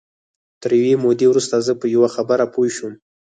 تر یوې مودې وروسته زه په یوه خبره پوه شوم